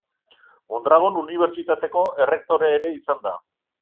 Mondragon Unibertsitateko errektore ere izan da.